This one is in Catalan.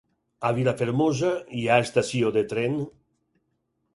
A Vilafermosa hi ha estació de tren?